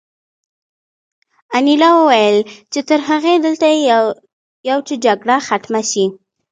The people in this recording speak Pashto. انیلا وویل چې تر هغې دلته یو چې جګړه ختمه شي